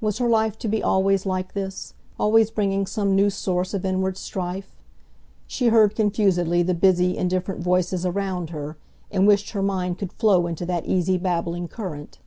Was her life to be always like this,—always bringing some new source of inward strife? She heard confusedly the busy, indifferent voices around her, and wished her mind could flow into that easy babbling current.